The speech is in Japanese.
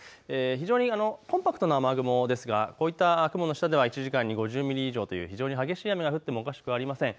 非常にコンパクトな雨雲ですがこういった雲の下では１時間に５０ミリ以上という非常に激しい雨が降ってもおかしくありません。